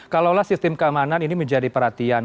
kalau lah sistem keamanan ini menjadi perhatian